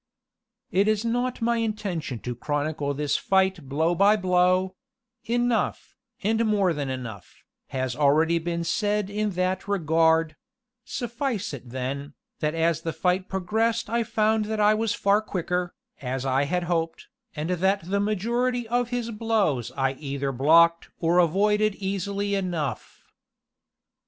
It is not my intention to chronicle this fight blow by blow; enough, and more than enough, has already been said in that regard; suffice it then, that as the fight progressed I found that I was far the quicker, as I had hoped, and that the majority of his blows I either blocked or avoided easily enough.